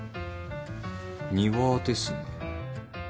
庭ですね。